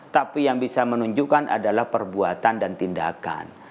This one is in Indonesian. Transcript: tapi yang bisa menunjukkan adalah perbuatan dan tindakan